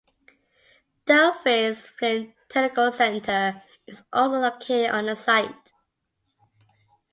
Delphi's Flint Technical Center is also located on the site.